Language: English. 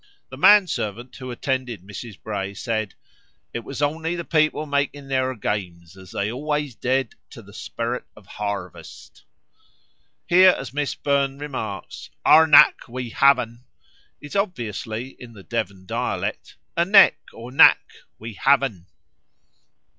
The manservant who attended Mrs. Bray said 'it was only the people making their games, as they always did, to the spirit of harvest.'" Here, as Miss Burne remarks, "'arnack, we haven!' is obviously in the Devon dialect, 'a neck (or nack)! we have un!'"